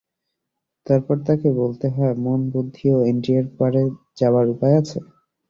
তারপর তাকে বলতে হয় মন, বুদ্ধি ও ইন্দ্রিয়ের পারে যাবার উপায় আছে।